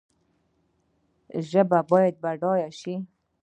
ژبه باید بډایه شي